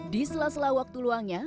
di sela sela waktu luangnya